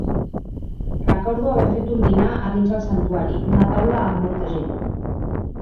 Recordo haver fet un dinar a dins el santuari, i una taula amb molta gent.